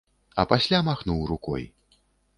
А пасля махнуў рукой.